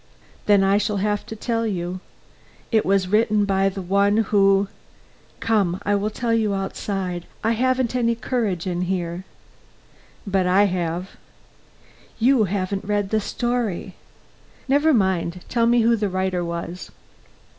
"Then I shall have to tell you. It was written by the one who Come! I will tell you outside. I haven't any courage here." "But I have." "You haven't read the story." "Never mind; tell me who the writer was."